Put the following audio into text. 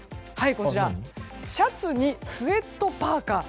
こちら、シャツにスウェットパーカ。